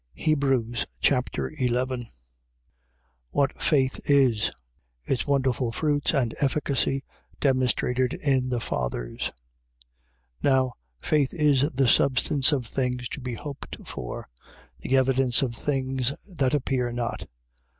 Hebrews Chapter 11 What faith is. Its wonderful fruits and efficacy demonstrated in the fathers. 11:1. Now, faith is the substance of things to be hoped for, the evidence of things that appear not. 11:2.